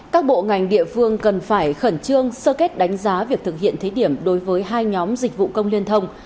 các bộ ngành địa phương cần phải khẩn trương sơ kết đánh giá việc thực hiện thí điểm đối với hai nhóm dịch vụ công liên thông